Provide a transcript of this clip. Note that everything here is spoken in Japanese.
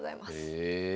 へえ。